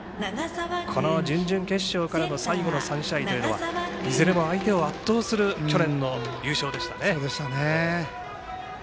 準々決勝からの最後の３試合というのはいずれも相手を圧倒する去年の優勝でしたね。